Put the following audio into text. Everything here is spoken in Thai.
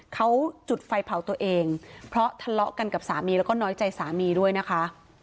เขาจุดไฟเผาตัวเองเพราะทะเลาะกันกับสามีแล้วก็น้อยใจสามีด้วยนะคะ